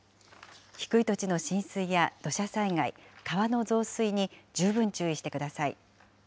低い土地の浸水や土砂災害、川の増水に十分注意してください。